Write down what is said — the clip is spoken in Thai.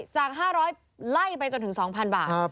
จาก๕๐๐ไล่ไปจนถึง๒๐๐บาท